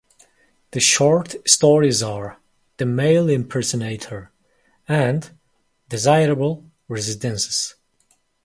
The short stories are "The Male Impersonator" and "Desirable Residences".